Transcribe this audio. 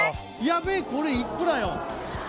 やべえこれいくらよ？